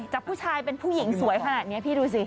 จากผู้ชายเป็นผู้หญิงสวยขนาดนี้พี่ดูสิ